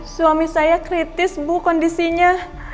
suami saya kritis bu kondisinya